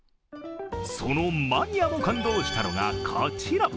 そのマニアも感動したのがこちら。